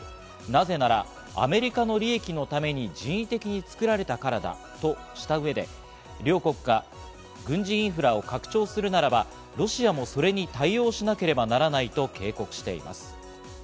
なぜなら、アメリカの利益のために人為的に作られたからだとした上で、両国が軍事インフラを拡張するならば、ロシアもそれに対応しなければならないと警告しています。